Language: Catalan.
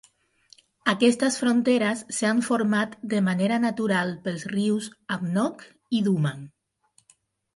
Aquestes fronteres s'han format de manera natural pels rius Amnok i Duman.